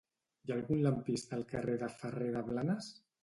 Hi ha algun lampista al carrer de Ferrer de Blanes?